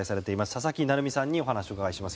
佐々木成三さんにお話を伺います。